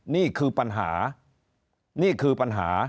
นี่คือปัญหา